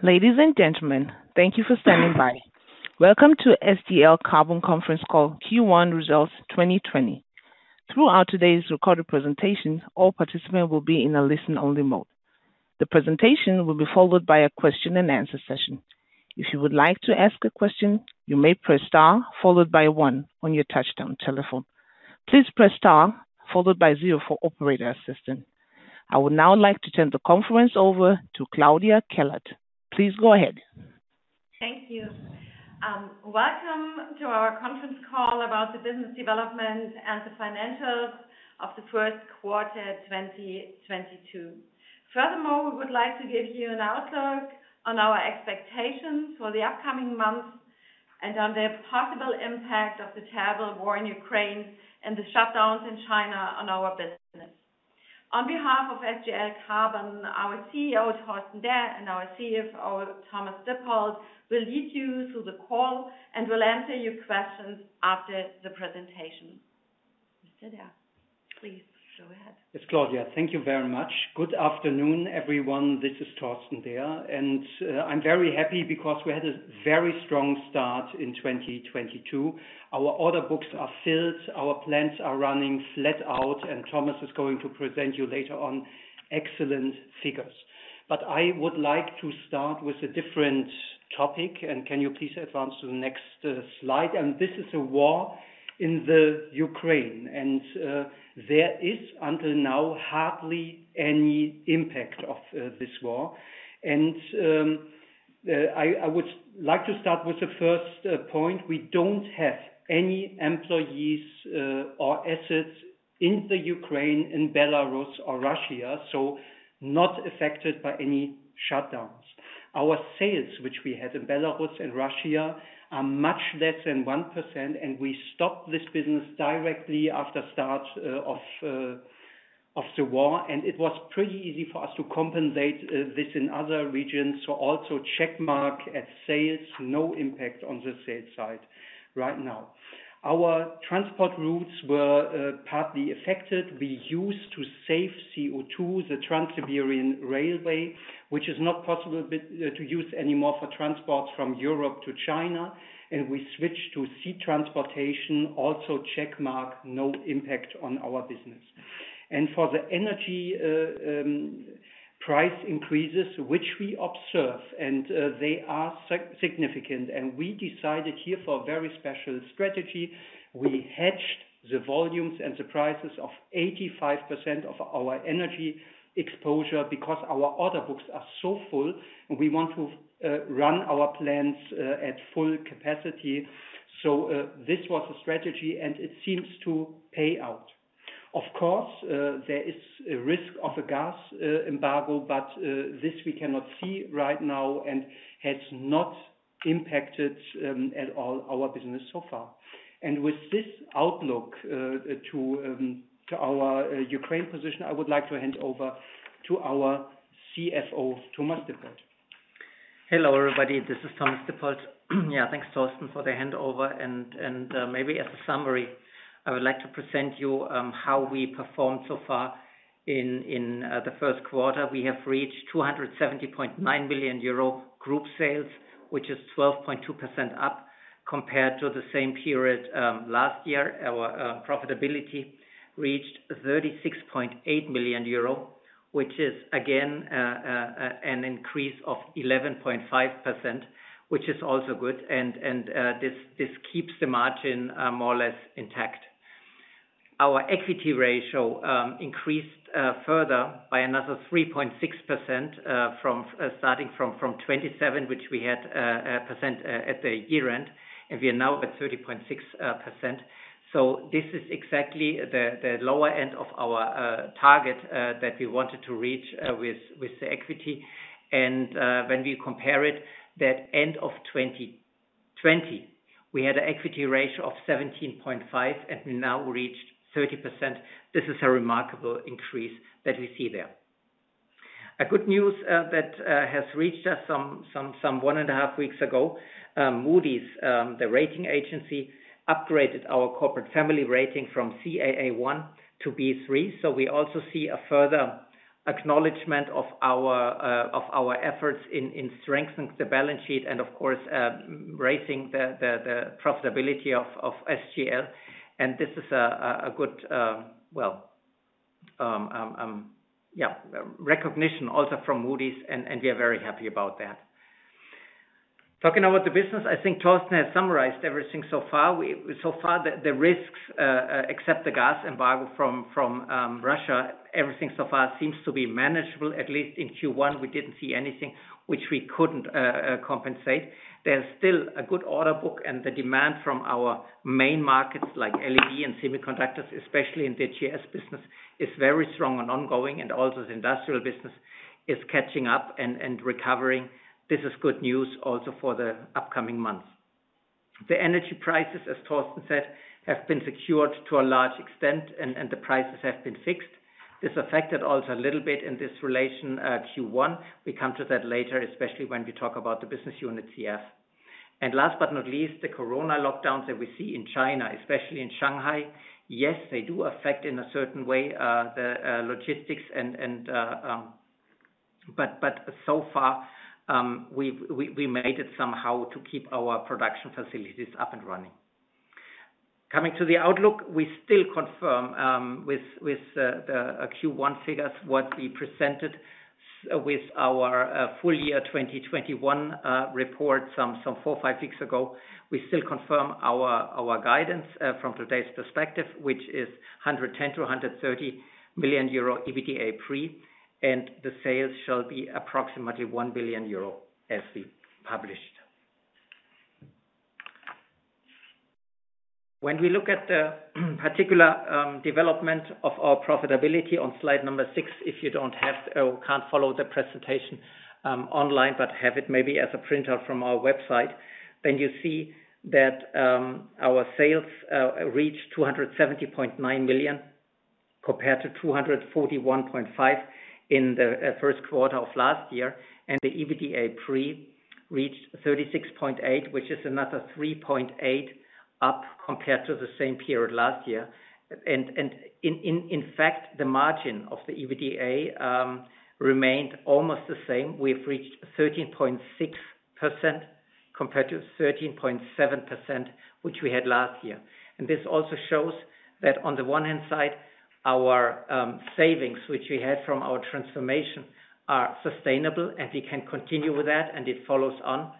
Ladies and gentlemen, thank you for standing by. Welcome to SGL Carbon conference call Q1 Results 2020. Throughout today's recorded presentation, all participants will be in a listen-only mode. The presentation will be followed by a question-and-answer session. If you would like to ask a question, you may press star followed by one on your touchtone telephone. Please press star followed by zero for operator assistance. I would now like to turn the conference over to Claudia Kellert. Please go ahead. Thank you. Welcome to Our Conference Call about the business development and the Financials of the First Quarter 2022. Furthermore, we would like to give you an outlook on our expectations for the upcoming months and on the possible impact of the terrible war in Ukraine and the shutdowns in China on our business. On behalf of SGL Carbon, our CEO, Torsten Derr, and our CFO, Thomas Dippold, will lead you through the call and will answer your questions after the presentation. Mr. Derr, please go ahead. Yes, Claudia, thank you very much. Good afternoon, everyone. This is Torsten Derr, and I'm very happy because we had a very strong start in 2022. Our order books are filled, our plants are running flat out, and Thomas is going to present you later on excellent figures. But I would like to start with a different topic. Can you please advance to the next slide? This is a war in Ukraine. There is, until now, hardly any impact of this war. I would like to start with the first point. We don't have any employees or assets in Ukraine, in Belarus or Russia, so not affected by any shutdowns. Our sales, which we had in Belarus and Russia, are much less than 1%, and we stopped this business directly after start of the war. It was pretty easy for us to compensate this in other regions. Also checkmark at sales, no impact on the sales side right now. Our transport routes were partly affected. We used to save CO2, the Trans-Siberian Railway, which is not possible to use anymore for transport from Europe to China, and we switched to sea transportation. Also checkmark, no impact on our business. For the energy price increases, which we observe, and they are significant, and we decided here for a very special strategy. We hedged the volumes and the prices of 85% of our energy exposure because our order books are so full and we want to run our plants at full capacity. This was a strategy, and it seems to pay out. Of course, there is a risk of a gas embargo, but this we cannot see right now and has not impacted at all our business so far. With this outlook to our Ukraine position, I would like to hand over to our CFO, Thomas Dippold. Hello, everybody. This is Thomas Dippold. Yeah, thanks, Torsten, for the handover. Maybe as a summary, I would like to present you how we performed so far in the first quarter. We have reached 270.9 million euro group sales, which is 12.2% up compared to the same period last year. Our profitability reached 36.8 million euro, which is again an increase of 11.5%, which is also good, and this keeps the margin more or less intact. Our equity ratio increased further by another 3.6%, from 27%, which we had at the year-end, and we are now at 30.6%. This is exactly the lower end of our target that we wanted to reach with the equity. When we compare it, at the end of 2020, we had an equity ratio of 17.5% and now reached 30%. This is a remarkable increase that we see there. Good news that has reached us some one and a half weeks ago, Moody's, the rating agency, upgraded our corporate family rating from Caa1 to B3. We also see a further acknowledgement of our efforts in strengthening the balance sheet and of course, raising the profitability of SGL. This is a good recognition also from Moody's, and we are very happy about that. Talking about the business, I think Torsten has summarized everything so far. So far, the risks, except the gas embargo from Russia, everything so far seems to be manageable. At least in Q1, we didn't see anything which we couldn't compensate. There's still a good order book, and the demand from our main markets like LED and semiconductors, especially in the GS business, is very strong and ongoing, and also the industrial business is catching up and recovering. This is good news also for the upcoming months. The energy prices, as Torsten said, have been secured to a large extent and the prices have been fixed. This affected also a little bit in this relation, Q1. We come to that later, especially when we talk about the business unit CS. Last but not least, the corona lockdowns that we see in China, especially in Shanghai, yes, they do affect in a certain way the logistics and but so far, we've made it somehow to keep our production facilities up and running. Coming to the outlook, we still confirm with the Q1 figures, what we presented with our full year 2021 report some four or five weeks ago. We still confirm our guidance from today's perspective, which is 110 million-130 million euro EBITDA pre. The sales shall be approximately 1 billion euro as we published. When we look at the particular development of our profitability on slide six, if you don't have or can't follow the presentation online, but have it maybe as a printout from our website, then you see that our sales reached 270.9 million compared to 241.5 million in the first quarter of last year. The EBITDA pre reached 36.8, which is another 3.8 up compared to the same period last year. In fact, the margin of the EBITDA remained almost the same. We've reached 13.6% compared to 13.7%, which we had last year. This also shows that on the one hand side, our savings, which we had from our transformation, are sustainable, and we can continue with that, and it follows on.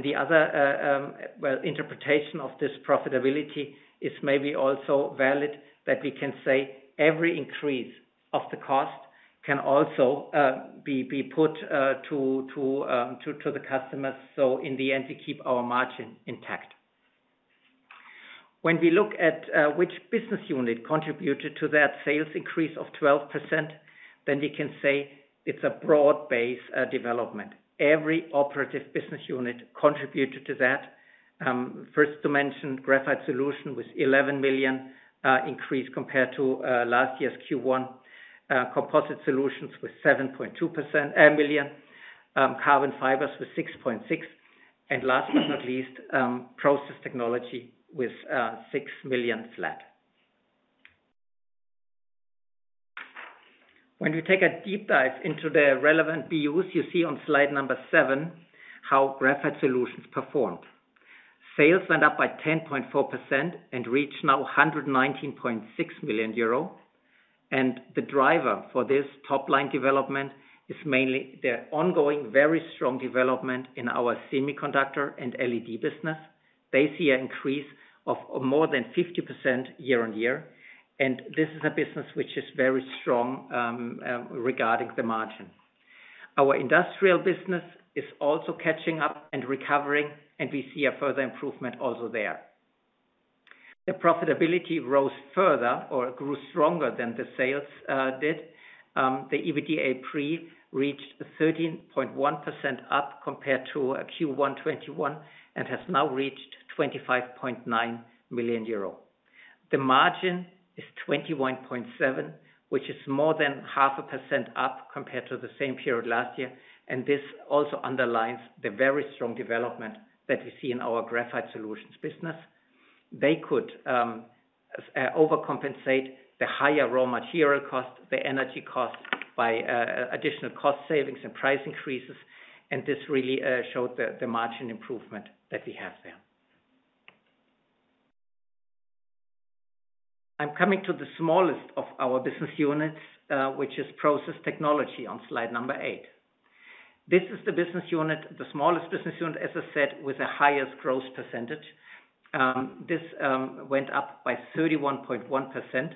The other interpretation of this profitability is maybe also valid that we can say every increase of the cost can also be put to the customers. In the end, we keep our margin intact. When we look at which business unit contributed to that sales increase of 12%, then we can say it's a broad-based development. Every operative business unit contributed to that. First to mention, Graphite Solutions with 11 million increase compared to last year's Q1. Composite Solutions with 7.2 million. Carbon Fibers with 6.6. Last but not least, Process Technology with 6 million flat. When we take a deep dive into the relevant BUs, you see on slide seven how Graphite Solutions performed. Sales went up by 10.4% and reached now 119.6 million euro. The driver for this top-line development is mainly the ongoing, very strong development in our semiconductor and LED business. They see an increase of more than 50% year-over-year, and this is a business which is very strong regarding the margin. Our industrial business is also catching up and recovering, and we see a further improvement also there. The profitability rose further or grew stronger than the sales did. The EBITDA pre reached 13.1% up compared to Q1 2021 and has now reached 25.9 million euro. The margin is 21.7%, which is more than 0.5% up compared to the same period last year. This also underlines the very strong development that we see in our Graphite Solutions business. They could overcompensate the higher raw material cost, the energy cost by additional cost savings and price increases, and this really showed the margin improvement that we have there. I'm coming to the smallest of our business units, which is Process Technology on slide number eight. This is the business unit, the smallest business unit, as I said, with the highest growth percentage. This went up by 31.1%,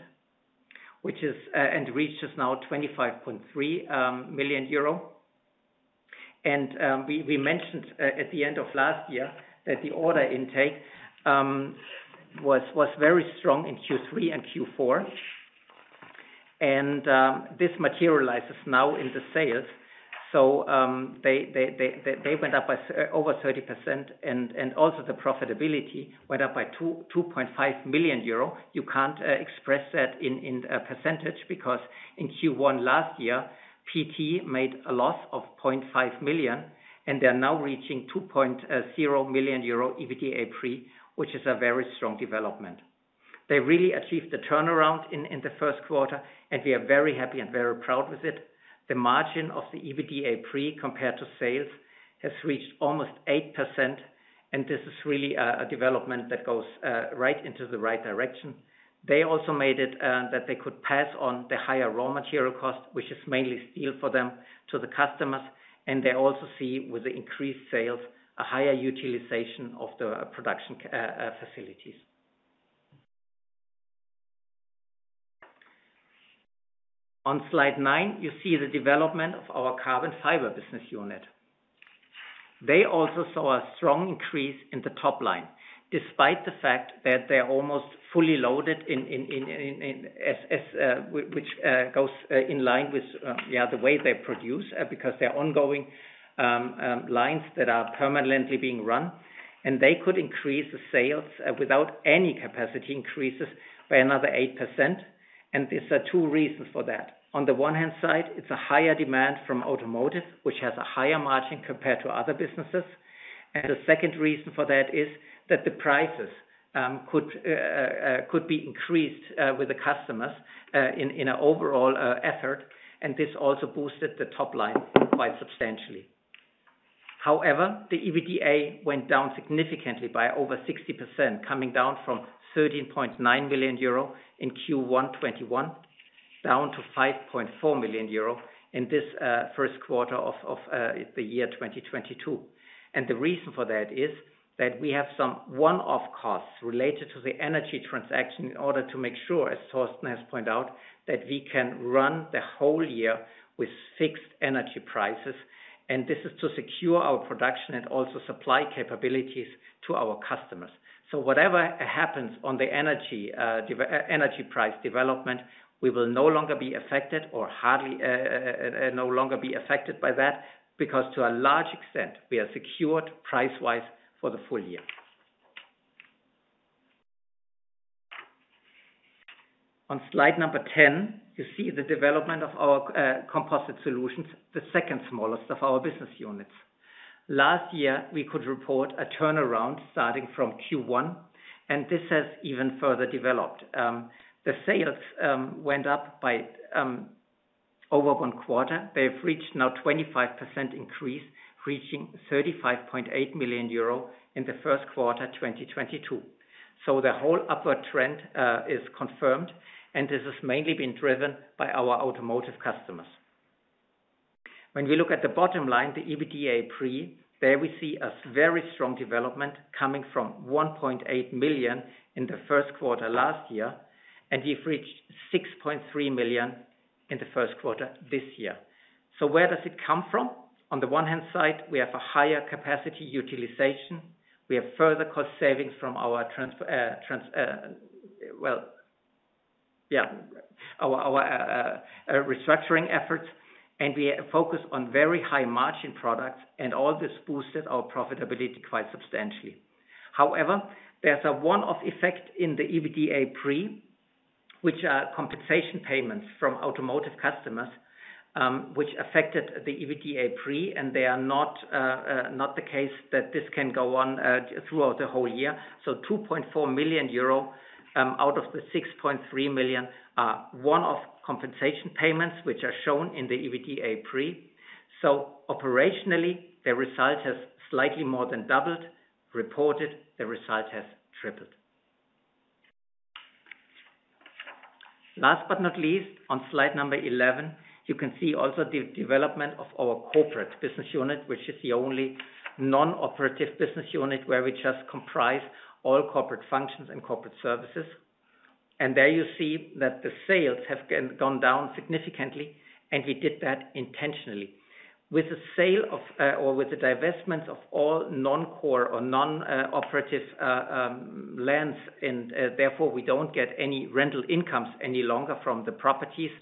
which is and reaches now 25.3 million euro. We mentioned at the end of last year that the order intake was very strong in Q3 and Q4. This materializes now in the sales. They went up by over 30% and also the profitability went up by 2.5 million euro. You can't express that in a percentage because in Q1 last year, PT made a loss of 0.5 million, and they are now reaching 2.0 million euro EBITDA pre, which is a very strong development. They really achieved the turnaround in the first quarter, and we are very happy and very proud with it. The margin of the EBITDA pre compared to sales has reached almost 8%, and this is really a development that goes right into the right direction. They also made it that they could pass on the higher raw material cost, which is mainly steel for them to the customers. They also see with the increased sales, a higher utilization of the production facilities. On slide nine, you see the development of our Carbon Fiber business unit. They also saw a strong increase in the top line, despite the fact that they're almost fully loaded, which goes in line with the way they produce, because they're ongoing lines that are permanently being run, and they could increase the sales without any capacity increases by another 8%. There's two reasons for that. On the one hand side, it's a higher demand from automotive, which has a higher margin compared to other businesses. The second reason for that is that the prices could be increased with the customers in an overall effort. This also boosted the top line quite substantially. However, the EBITDA went down significantly by over 60%, coming down from 13.9 million euro in Q1 2021, down to 5.4 million euro in this first quarter of the year 2022. The reason for that is that we have some one-off costs related to the energy transaction in order to make sure, as Torsten has pointed out, that we can run the whole year with fixed energy prices. This is to secure our production and also supply capabilities to our customers. Whatever happens on the energy price development, we will no longer be affected or hardly affected by that, because to a large extent, we are secured price-wise for the full year. On slide number 10, you see the development of our Composite Solutions, the second smallest of our business units. Last year, we could report a turnaround starting from Q1, and this has even further developed. The sales went up by over one quarter. They've reached now 25% increase, reaching 35.8 million euro in the first quarter 2022. The whole upward trend is confirmed, and this has mainly been driven by our automotive customers. When we look at the bottom line, the EBITDA pre, there we see a very strong development coming from 1.8 million in the first quarter last year, and we've reached 6.3 million in the first quarter this year. Where does it come from? On the one hand side, we have a higher capacity utilization. We have further cost savings from our restructuring efforts, and we focus on very high margin products, and all this boosted our profitability quite substantially. However, there's a one-off effect in the EBITDA pre, which are compensation payments from automotive customers, which affected the EBITDA pre, and they are not the case that this can go on throughout the whole year. 2.4 million euro out of the 6.3 million are one-off compensation payments, which are shown in the EBITDA pre. Operationally, the result has slightly more than doubled. Reported, the result has tripled. Last but not least, on slide 11, you can see also the development of our corporate business unit, which is the only non-operative business unit where we just comprise all corporate functions and corporate services. There you see that the sales have gone down significantly, and we did that intentionally. With the divestment of all non-core or non-operative lands, therefore, we don't get any rental incomes any longer from the properties.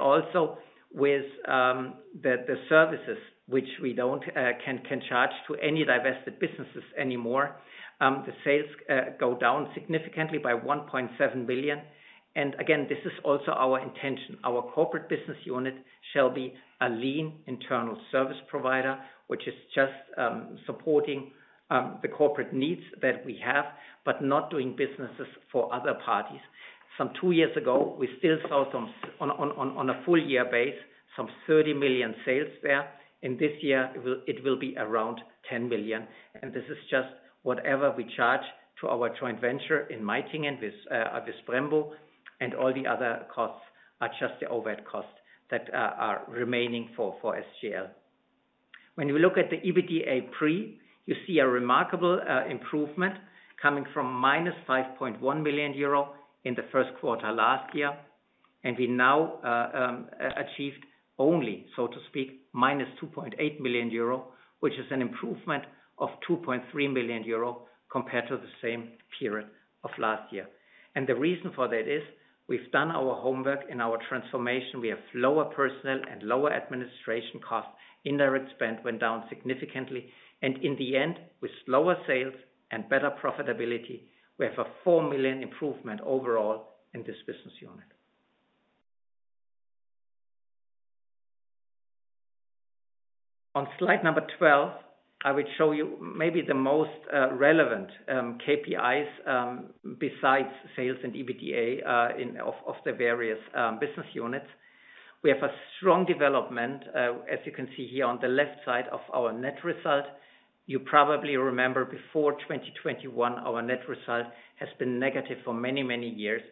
Also with the services which we can't charge to any divested businesses anymore, the sales go down significantly by 1.7 billion. Again, this is also our intention. Our corporate business unit shall be a lean internal service provider, which is just supporting the corporate needs that we have, but not doing businesses for other parties. Two years ago, we still saw some on a full-year basis, 30 million sales there. In this year, it will be around 10 million. This is just whatever we charge to our joint venture in Meitingen with Brembo and all the other costs are just the overhead costs that are remaining for SGL. When we look at the EBITDA pre, you see a remarkable improvement coming from -5.1 million euro in the first quarter last year. We now achieved only, so to speak, -2.8 million euro, which is an improvement of 2.3 million euro compared to the same period of last year. The reason for that is we've done our homework in our transformation. We have lower personnel and lower administration costs. Indirect spend went down significantly. In the end, with lower sales and better profitability, we have a 4 million improvement overall in this business unit. On slide number 12, I will show you maybe the most relevant KPIs besides sales and EBITDA in the various business units. We have a strong development, as you can see here on the left side of our net result. You probably remember before 2021, our net result has been negative for many, many years.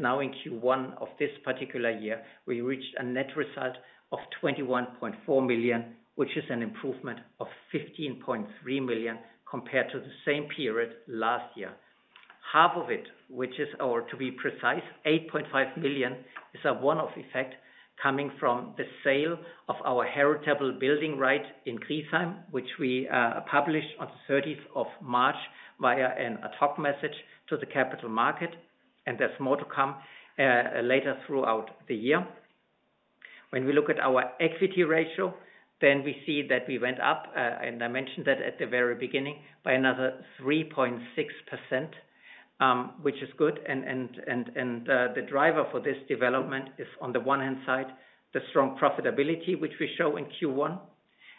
Now in Q1 of this particular year, we reached a net result of 21.4 million, which is an improvement of 15.3 million compared to the same period last year. Half of it, which is, or to be precise, 8.5 million, is a one-off effect coming from the sale of our heritable building right in Griesheim, which we published on the thirteenth of March via an ad hoc message to the capital market. There's more to come later throughout the year. When we look at our equity ratio, then we see that we went up, and I mentioned that at the very beginning, by another 3.6%, which is good. The driver for this development is on the one hand side, the strong profitability which we show in Q1.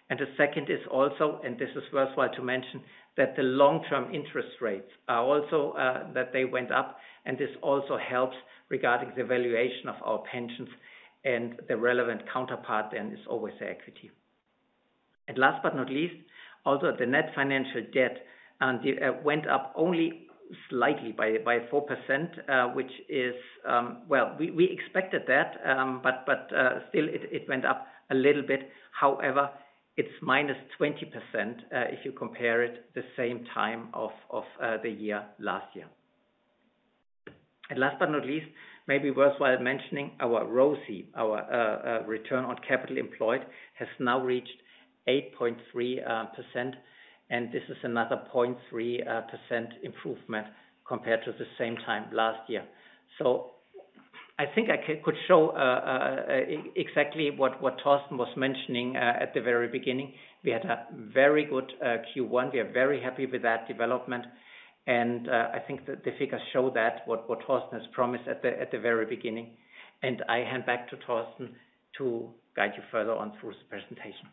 The second is also, and this is worthwhile to mention, that the long-term interest rates are also, that they went up. This also helps regarding the valuation of our pensions and the relevant counterpart, and it's always the equity. Last but not least, also the net financial debt, it went up only slightly by 4%, which is, well, we expected that, but still it went up a little bit. However, it's -20%, if you compare it to the same time of the year last year. Last but not least, maybe worthwhile mentioning our ROCE, our return on capital employed, has now reached 8.3%, and this is another 0.3% improvement compared to the same time last year. I think I could show exactly what Torsten was mentioning at the very beginning. We had a very good Q1. We are very happy with that development. I think that the figures show that what Torsten has promised at the very beginning. I hand back to Torsten to guide you further on through the presentation.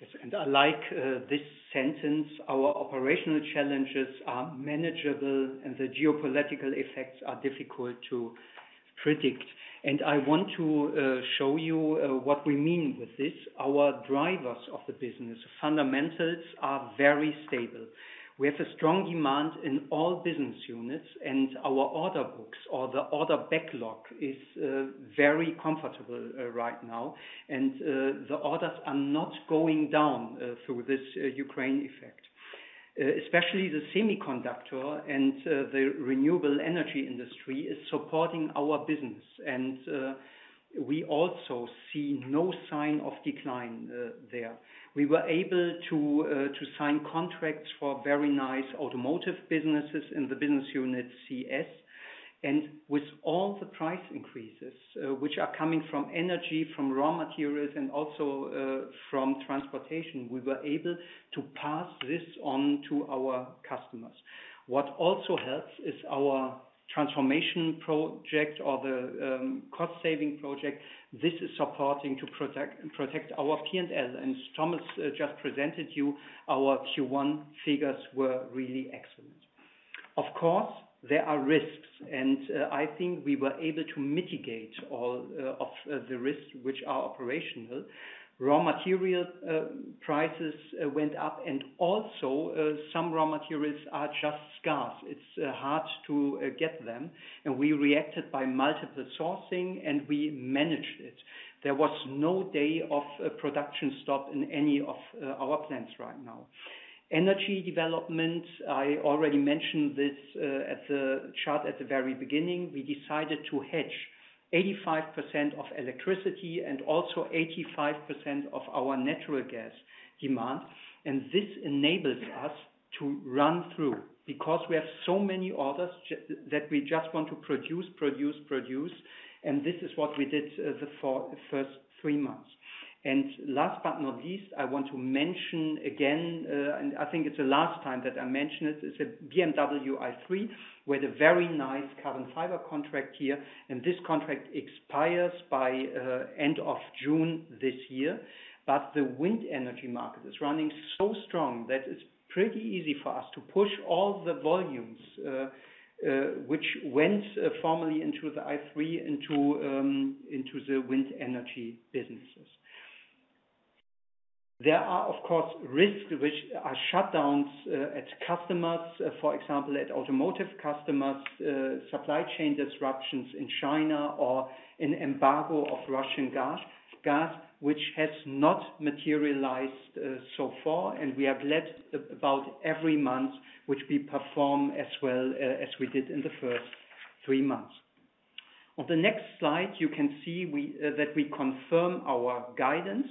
Yes. I like this sentence, our operational challenges are manageable, and the geopolitical effects are difficult to predict. I want to show you what we mean with this. Our drivers of the business fundamentals are very stable. We have a strong demand in all business units, and our order books or the order backlog is very comfortable right now. The orders are not going down through this Ukraine effect. Especially the semiconductor and the renewable energy industry is supporting our business, and we also see no sign of decline there. We were able to sign contracts for very nice automotive businesses in the business unit CS. With all the price increases, which are coming from energy, from raw materials, and also, from transportation, we were able to pass this on to our customers. What also helps is our transformation project or the, cost saving project. This is supporting to protect our P&L. Thomas, just presented you our Q1 figures were really excellent. Of course, there are risks, and, I think we were able to mitigate all, of, the risks which are operational. Raw material, prices, went up and also, some raw materials are just scarce. It's, hard to, get them. We reacted by multiple sourcing, and we managed it. There was no day of a production stop in any of, our plants right now. Energy development, I already mentioned this, at the chart at the very beginning. We decided to hedge 85% of electricity and also 85% of our natural gas demand. This enables us to run through, because we have so many orders that we just want to produce, and this is what we did, the first three months. Last but not least, I want to mention again, and I think it's the last time that I mention it. It's the BMW i3, we had a very nice carbon fiber contract here, and this contract expires by end of June this year. The wind energy market is running so strong that it's pretty easy for us to push all the volumes, which went formerly into the i3 into the wind energy businesses. There are, of course, risks which are shutdowns at customers, for example, at automotive customers, supply chain disruptions in China or an embargo of Russian gas, which has not materialized so far, and we have had about every month, which we perform as well as we did in the first three months. On the next slide, you can see that we confirm our guidance.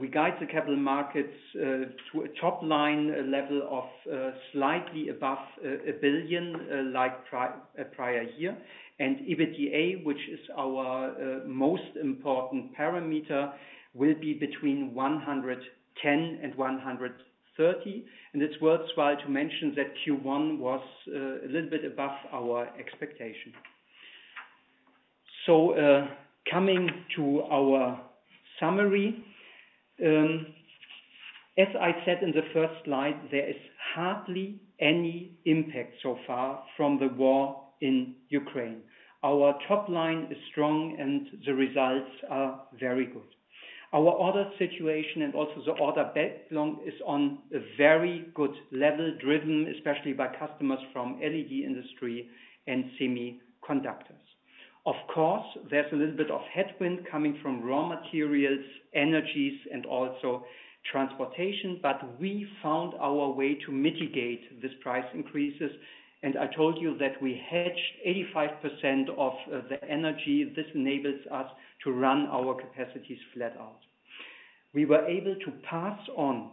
We guide the capital markets to a top line level of slightly above 1 billion, like prior year. EBITDA, which is our most important parameter, will be between 110 million and 130 million. It's worthwhile to mention that Q1 was a little bit above our expectation. Coming to our summary, as I said in the first slide, there is hardly any impact so far from the war in Ukraine. Our top line is strong, and the results are very good. Our order situation and also the order backlog is on a very good level, driven especially by customers from LED industry and semiconductors. Of course, there's a little bit of headwind coming from raw materials, energy, and also transportation, but we found our way to mitigate these price increases. I told you that we hedged 85% of the energy. This enables us to run our capacities flat out. We were able to pass on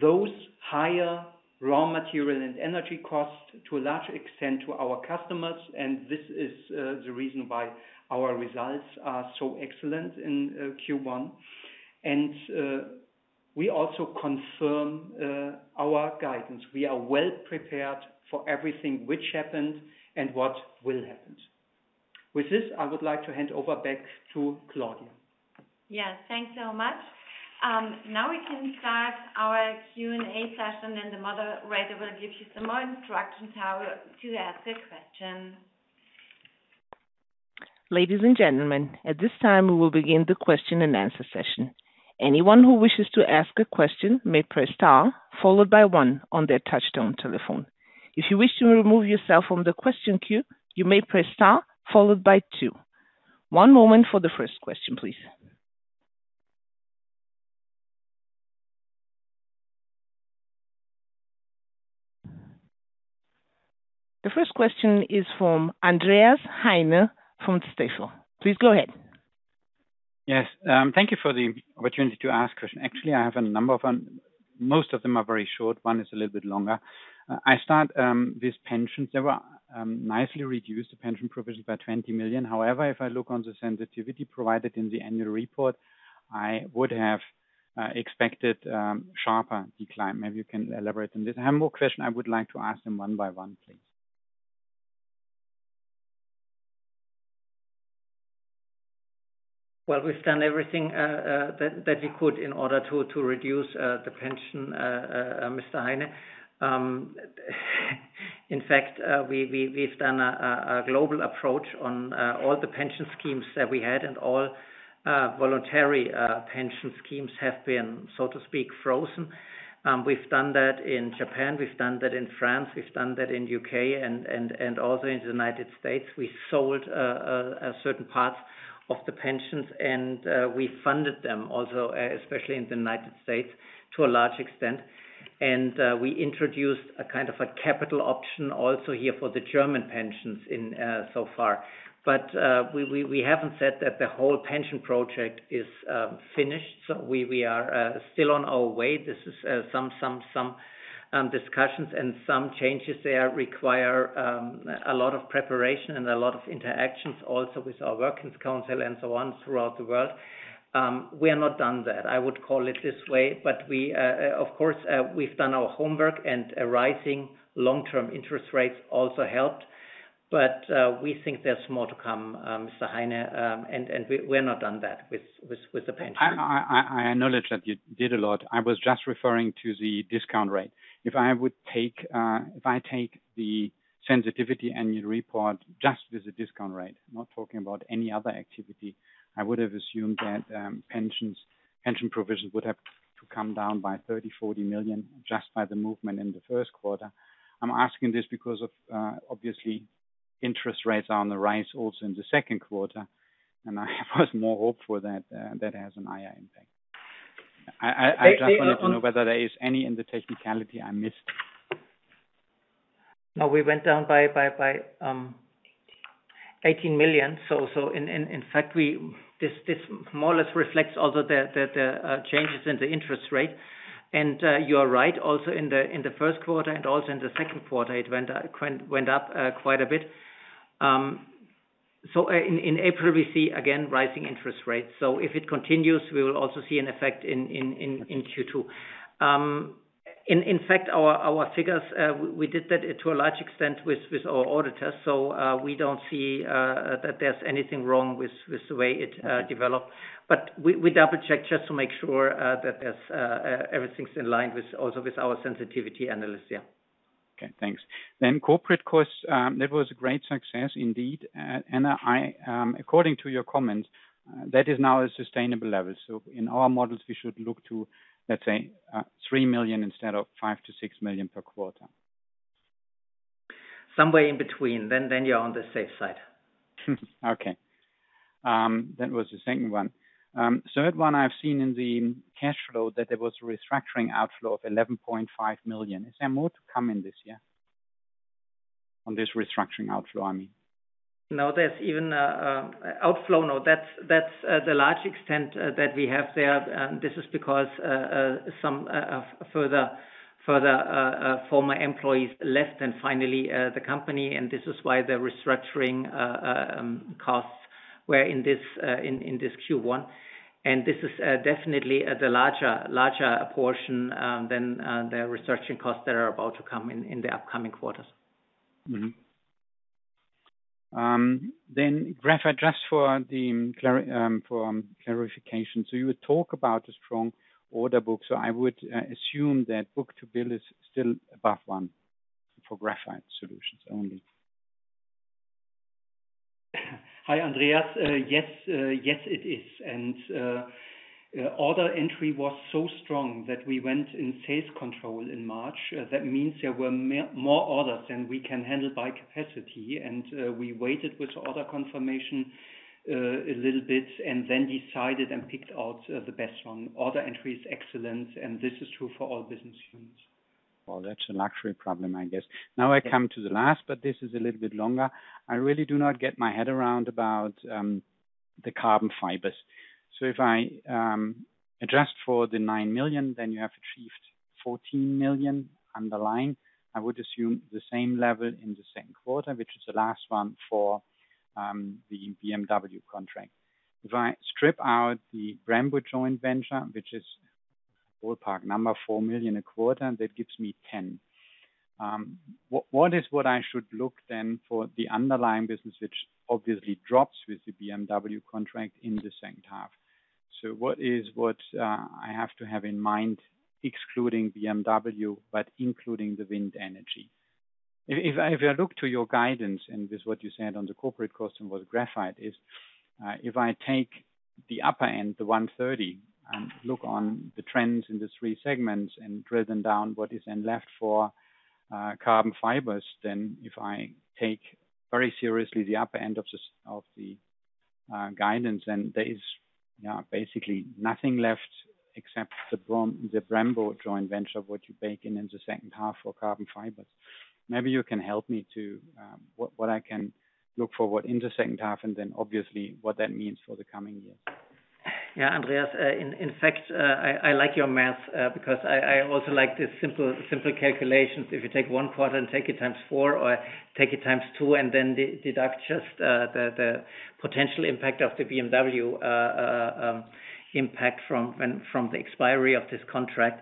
those higher raw material and energy costs to a large extent to our customers, and this is the reason why our results are so excellent in Q1. We also confirm our guidance. We are well prepared for everything which happened and what will happen. With this, I would like to hand over back to Claudia. Yes. Thanks so much. Now we can start our Q&A session, and the moderator will give you some more instructions how to ask a question. Ladies and gentlemen, at this time we will begin the question and answer session. Anyone who wishes to ask a question may press star followed by one on their touch-tone telephone. If you wish to remove yourself from the question queue, you may press star followed by two. One moment for the first question, please. The first question is from Andreas Heine from Stifel. Please go ahead. Yes. Thank you for the opportunity to ask question. Actually, I have a number of them. Most of them are very short. One is a little bit longer. I start with pensions. They were nicely reduced, the pension provision by 20 million. However, if I look on the sensitivity provided in the annual report, I would have expected sharper decline. Maybe you can elaborate on this. I have more question I would like to ask them one by one, please. Well, we've done everything that we could in order to reduce the pension, Mr. Heine. In fact, we've done a global approach on all the pension schemes that we had, and all voluntary pension schemes have been, so to speak, frozen. We've done that in Japan, we've done that in France, we've done that in U.K. and also in the United States. We sold certain parts of the pensions and we funded them also, especially in the United States, to a large extent. We introduced a kind of capital option also here for the German pensions so far. We haven't said that the whole pension project is finished, so we are still on our way. This is some discussions and some changes there require a lot of preparation and a lot of interactions also with our works council and so on throughout the world. We have not done that, I would call it this way. We of course we've done our homework and a rising long-term interest rates also helped. We think there's more to come, Mr. Heine, and we're not done that with the pension. I acknowledge that you did a lot. I was just referring to the discount rate. If I take the sensitivity annual report just with the discount rate, I'm not talking about any other activity, I would have assumed that pension provisions would have to come down by 30 million-40 million just by the movement in the first quarter. I'm asking this because of obviously interest rates are on the rise also in the second quarter, and I was more hopeful that that has an IR impact. I just wanted to know whether there is anything in the technicality I missed. No, we went down by 18 million. In fact, this more or less reflects also the changes in the interest rate. You are right, also in the first quarter and also in the second quarter, it went up quite a bit. In April, we see again rising interest rates. If it continues, we will also see an effect in Q2. In fact, our figures, we did that to a large extent with our auditors. We don't see that there's anything wrong with the way it developed. We double-check just to make sure that everything's in line, also with our sensitivity analysis. Yeah. Okay, thanks. Corporate costs, that was a great success indeed. I, according to your comments, that is now a sustainable level. In our models, we should look to, let's say, 3 million instead of 5-6 million per quarter. Somewhere in between, then you're on the safe side. Okay. That was the second one. Third one I've seen in the cash flow that there was a restructuring outflow of 11.5 million. Is there more to come in this year? On this restructuring outflow, I mean. No, there's even an outflow. No, that's to a large extent what we have there. This is because some further former employees left and finally the company, and this is why the restructuring costs were in this Q1. This is definitely the larger portion than the restructuring costs that are about to come in the upcoming quarters. Graphite just for clarification. You talk about a strong order book. I would assume that book-to-bill is still above one for Graphite Solutions only. Hi, Andreas. Yes, it is. Order entry was so strong that we went in sales control in March. That means there were more orders than we can handle by capacity. We waited with order confirmation a little bit and then decided and picked out the best one. Order entry is excellent, and this is true for all business units. Well, that's a luxury problem, I guess. Now I come to the last, but this is a little bit longer. I really do not get my head around about the Carbon Fibers. If I adjust for the 9 million, then you have achieved 14 million underlying. I would assume the same level in the second quarter, which is the last one for the BMW contract. If I strip out the Brembo joint venture, which is ballpark 4 million a quarter, that gives me 10 million. What is what I should look then for the underlying business, which obviously drops with the BMW contract in the second half? What is what I have to have in mind excluding BMW, but including the wind energy. If I look to your guidance and with what you said on the corporate cost and with Graphite is, if I take the upper end, the 130, and look on the trends in the three segments and drill them down, what is then left for Carbon Fibers. Then if I take very seriously the upper end of the guidance, then there is, yeah, basically nothing left except the Brembo joint venture, what you bake in the second half for Carbon Fibers. Maybe you can help me to what I can look for, what in the second half, and then obviously what that means for the coming years. Yeah, Andreas. In fact, I like your math because I also like the simple calculations. If you take one quarter and take it times four, or take it times two and then deduct just the potential impact of the BMW impact from the expiry of this contract.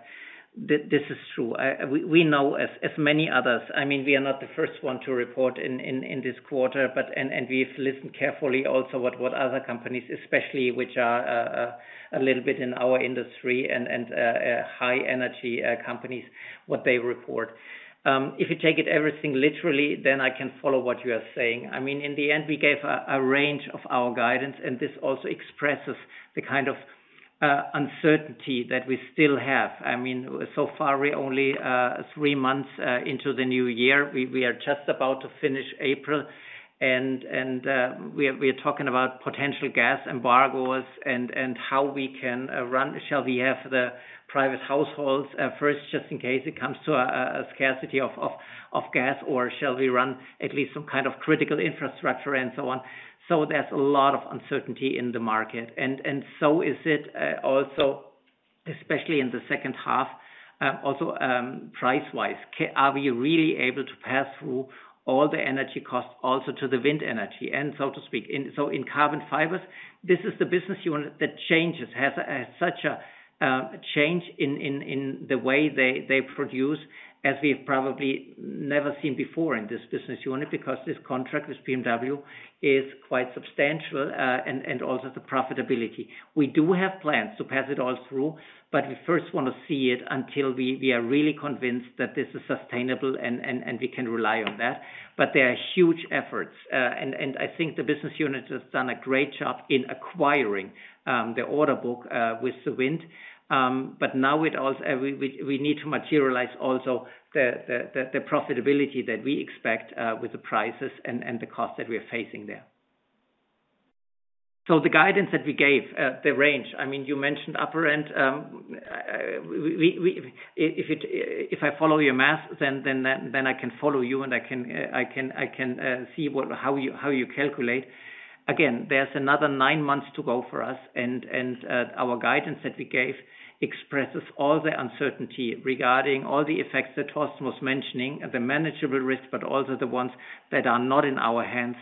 This is true. We know as many others. I mean, we are not the first one to report in this quarter, but we've listened carefully also what other companies, especially which are a little bit in our industry and high energy companies, what they report. If you take everything literally, then I can follow what you are saying. I mean, in the end, we gave a range of our guidance, and this also expresses the kind of uncertainty that we still have. I mean, so far we're only three months into the new year. We are just about to finish April and we're talking about potential gas embargoes and how we can run. Shall we have the private households first just in case it comes to a scarcity of gas, or shall we run at least some kind of critical infrastructure and so on. So there's a lot of uncertainty in the market. So is it also, especially in the second half, also price-wise. Are we really able to pass through all the energy costs also to the wind energy and so to speak. In Carbon Fibers, this is the business unit that changes. Has such a change in the way they produce as we've probably never seen before in this business unit, because this contract with BMW is quite substantial and also the profitability. We do have plans to pass it all through, but we first wanna see it until we are really convinced that this is sustainable and we can rely on that. There are huge efforts. I think the business unit has done a great job in acquiring the order book with the win. We need to materialize also the profitability that we expect with the prices and the costs that we are facing there. The guidance that we gave, the range, I mean, you mentioned upper end. If I follow your math, then I can follow you, and I can see how you calculate. Again, there's another nine months to go for us and our guidance that we gave expresses all the uncertainty regarding all the effects that Torsten was mentioning, the manageable risk, but also the ones that are not in our hands.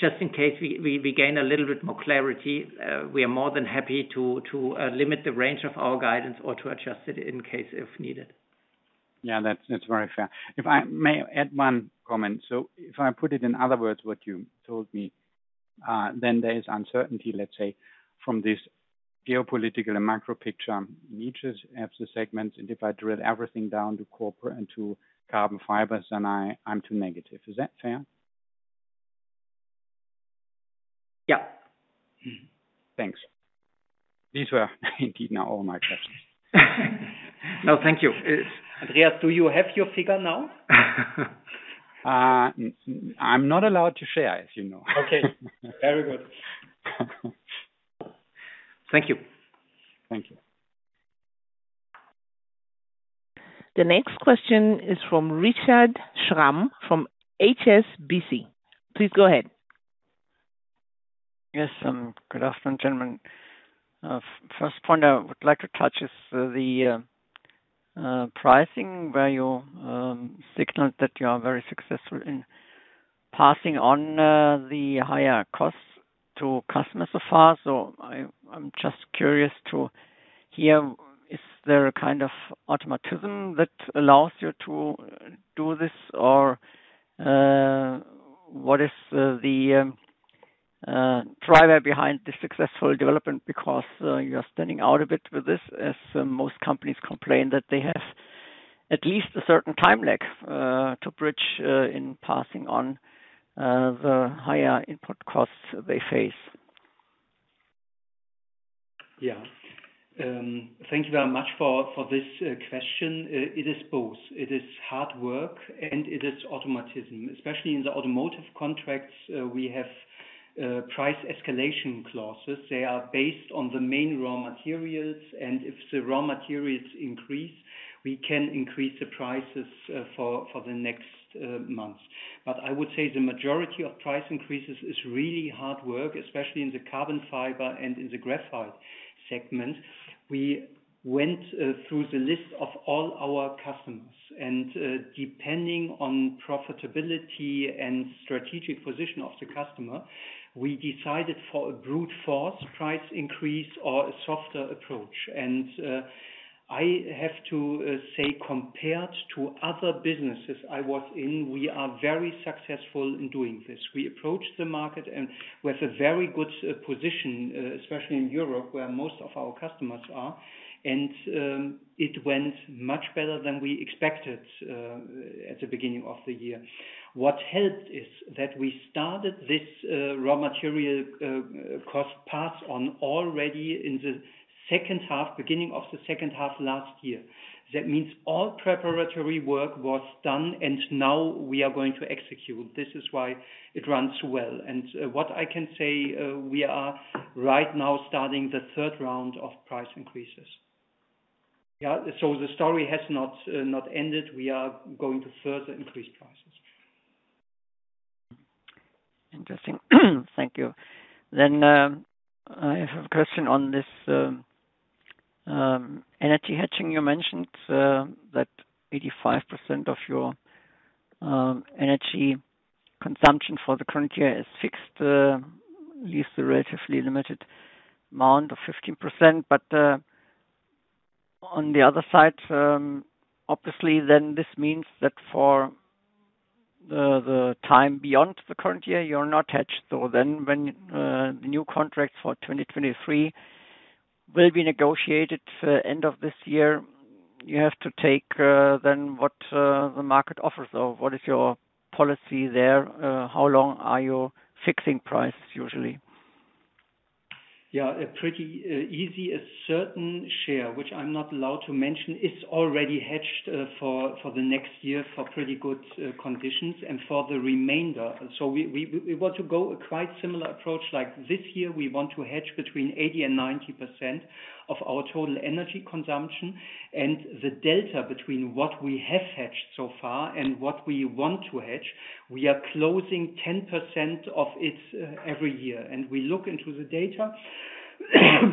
Just in case we gain a little bit more clarity, we are more than happy to limit the range of our guidance or to adjust it in case if needed. Yeah, that's very fair. If I may add one comment. If I put it in other words, what you told me, then there is uncertainty, let's say, from this geopolitical and macro picture in niches as the segments, and if I drill everything down to corporate and to Carbon Fibers, then I'm too negative. Is that fair? Yeah. Thanks. These were indeed now all my questions. No, thank you. Andreas, do you have your figure now? I'm not allowed to share, as you know. Okay. Very good. Thank you. Thank you. The next question is from Richard Schramm from HSBC. Please go ahead. Yes, good afternoon, gentlemen. First point I would like to touch is the pricing, where you signaled that you are very successful in passing on the higher costs to customers so far. I'm just curious to hear, is there a kind of automatism that allows you to do this? What is the driver behind the successful development? Because you are standing out a bit with this, as most companies complain that they have at least a certain time lag to bridge in passing on the higher input costs they face. Yeah. Thank you very much for this question. It is both. It is hard work, and it is automation. Especially in the automotive contracts, we have price escalation clauses. They are based on the main raw materials, and if the raw materials increase, we can increase the prices for the next months. I would say the majority of price increases is really hard work, especially in the carbon fiber and in the graphite segment. We went through the list of all our customers, and depending on profitability and strategic position of the customer, we decided for a brute force price increase or a softer approach. I have to say compared to other businesses I was in, we are very successful in doing this. We approached the market and with a very good position, especially in Europe, where most of our customers are. It went much better than we expected at the beginning of the year. What helped is that we started this raw material cost pass-on already in the second half, beginning of the second half last year. That means all preparatory work was done, and now we are going to execute. This is why it runs well. What I can say, we are right now starting the third round of price increases. Yeah. The story has not ended. We are going to further increase prices. Interesting. Thank you. I have a question on this energy hedging. You mentioned that 85% of your energy consumption for the current year is fixed, leaves the relatively limited amount of 15%. On the other side, obviously then this means that for the time beyond the current year, you're not hedged. When the new contracts for 2023 will be negotiated for end of this year, you have to take then what the market offers or what is your policy there? How long are you fixing prices usually? Yeah. A pretty easy a certain share, which I'm not allowed to mention, is already hedged for the next year for pretty good conditions and for the remainder. We want to go a quite similar approach. Like this year, we want to hedge between 80% and 90% of our total energy consumption. The delta between what we have hedged so far and what we want to hedge, we are closing 10% of it every year. We look into the data,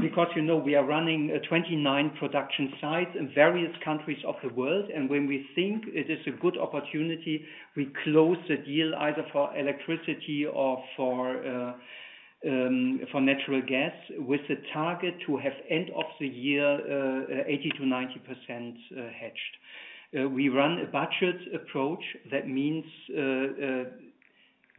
because, you know, we are running 29 production sites in various countries of the world. When we think it is a good opportunity, we close the deal either for electricity or for natural gas with the target to have end of the year 80%-90% hedged. We run a budget approach. That means,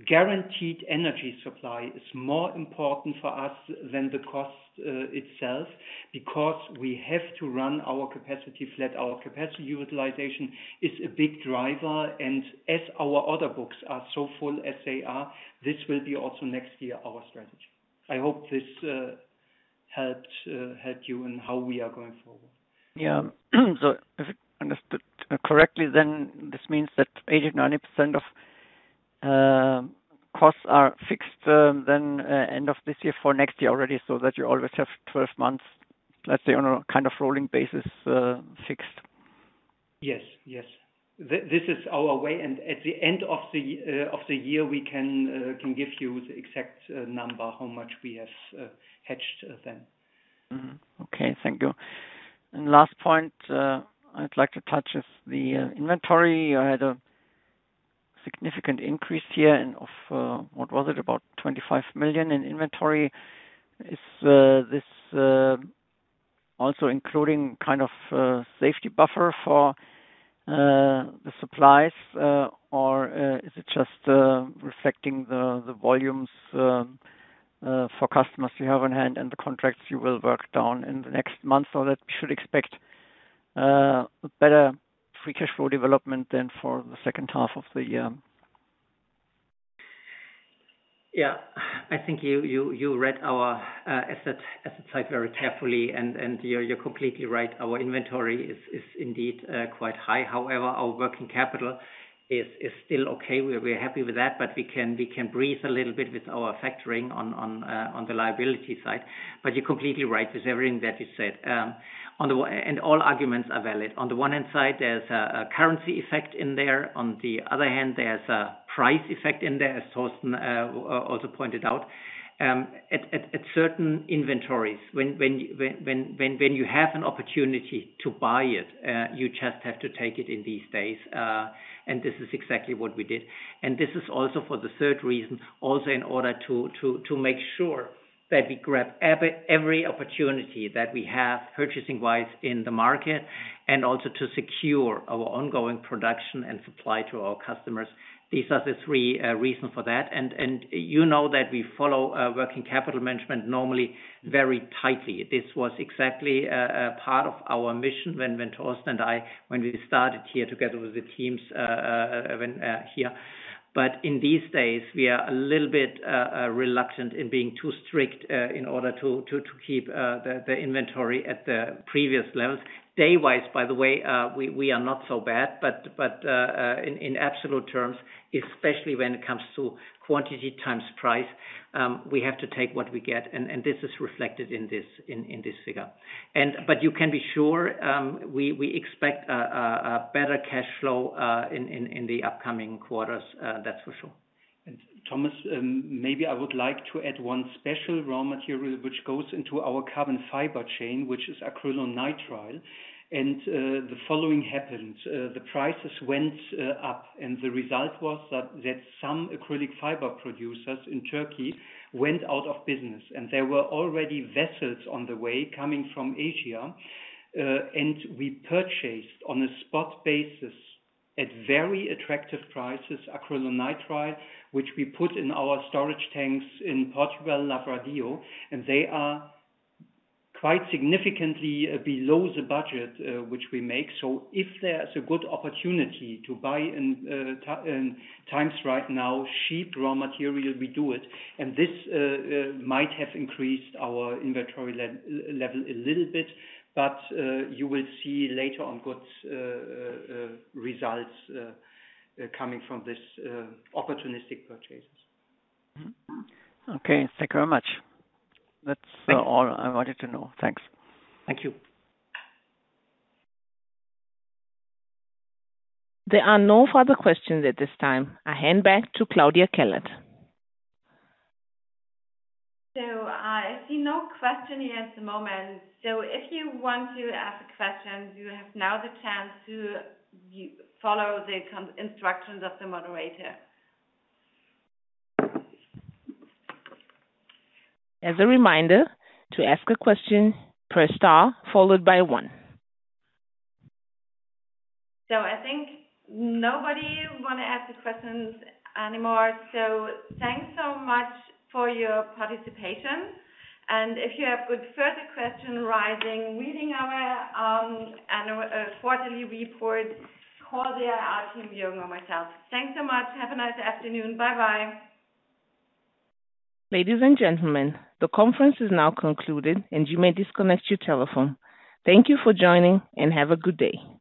guaranteed energy supply is more important for us than the cost itself, because we have to run our capacity flat. Our capacity utilization is a big driver, and as our order books are so full as they are, this will be also next year our strategy. I hope this helps you in how we are going forward. If I understood correctly then, this means that 80%-90% of costs are fixed, then end of this year for next year already, so that you always have 12 months, let's say, on a kind of rolling basis, fixed. Yes. This is our way, and at the end of the year, we can give you the exact number, how much we have hedged then. Okay. Thank you. Last point I'd like to touch is the inventory. You had a significant increase here and of what was it? About 25 million in inventory. Is this also including kind of safety buffer for the supplies, or is it just reflecting the volumes for customers you have on hand and the contracts you will work down in the next month or that we should expect better free cash flow development than for the second half of the year? Yeah. I think you read our asset side very carefully, and you're completely right. Our inventory is indeed quite high. However, our working capital is still okay. We're happy with that, but we can breathe a little bit with our factoring on the liability side. You're completely right with everything that you said. All arguments are valid. On the one hand, there's a currency effect in there. On the other hand, there's a price effect in there, as Torsten also pointed out. At certain inventories, when you have an opportunity to buy it, you just have to take it in these days. This is exactly what we did. This is also for the third reason, also in order to make sure that we grab every opportunity that we have purchasing-wise in the market and also to secure our ongoing production and supply to our customers. These are the three reasons for that. You know that we follow working capital management normally very tightly. This was exactly a part of our mission when Torsten and I started here together with the teams here. In these days, we are a little bit reluctant in being too strict in order to keep the inventory at the previous levels. Day-wise, by the way, we are not so bad. In absolute terms, especially when it comes to quantity times price, we have to take what we get, and this is reflected in this, in this figure. You can be sure, we expect a better cash flow, in the upcoming quarters. That's for sure. Thomas, maybe I would like to add one special raw material which goes into our carbon fiber chain, which is acrylonitrile. The following happened. The prices went up, and the result was that some acrylic fiber producers in Turkey went out of business, and there were already vessels on the way coming from Asia. We purchased on a spot basis at very attractive prices acrylonitrile, which we put in our storage tanks in Portugal, Lavradio, and they are quite significantly below the budget which we make. If there's a good opportunity to buy in times right now, cheap raw material, we do it. This might have increased our inventory level a little bit, but you will see later on good results coming from this opportunistic purchases. Okay. Thank you very much. That's all I wanted to know. Thanks. Thank you. There are no further questions at this time. I hand back to Claudia Kellert. I see no question here at the moment. If you want to ask questions, you have now the chance to follow the instructions of the moderator. As a reminder, to ask a question, press star followed by one. I think nobody wanna ask the questions anymore. Thanks so much for your participation. If you have further question arising reading our quarterly report, call the IR team or myself. Thanks so much. Have a nice afternoon. Bye-bye. Ladies and gentlemen, the conference is now concluded, and you may disconnect your telephone. Thank you for joining, and have a good day.